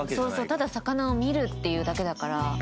ただ魚を見るっていうだけだから。